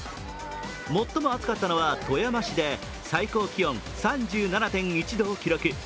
最も暑かったのは富山市で最高気温３７．１度を記録。